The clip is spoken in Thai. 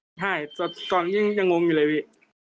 ใช่ตอนนี้ยังงงอยู่เลยวิ